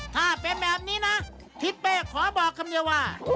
ถ้าเป็นแบบนี้นะทิศเป้ขอบอกคำเดียวว่า